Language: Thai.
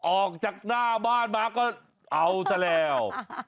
ออกจากหน้าบ้านมาก็เอาซะแล้ว